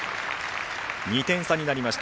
２点差になりました。